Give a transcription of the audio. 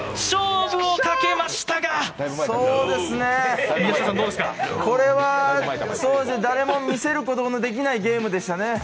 勝負をかけましたがこれは誰も見せることのできないゲームでしたね。